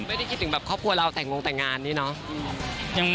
ไม่ได้คิดถึงแบบครอบครัวเราแต่งงแต่งงานนี่เนาะ